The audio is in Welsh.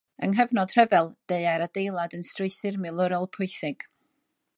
Yng nghyfnod rhyfel, deuai'r adeilad yn strwythur milwrol pwysig.